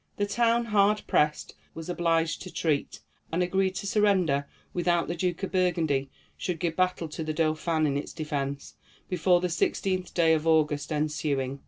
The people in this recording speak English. The town, hard pressed, was obliged to treat, and agreed to surrender, without the Duke of Burgundy should give battle to the Dauphin in its defence, before the sixteenth day of August ensuing.